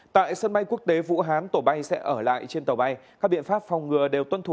tại sân bay quốc tế vũ hán tổ bay sẽ ở lại trên tàu bay các biện pháp phòng ngừa đều tuân thủ